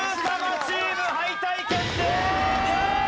チーム敗退決定！